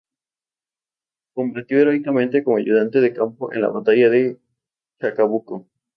Combatió heroicamente como ayudante de campo en la batalla de Chacabuco.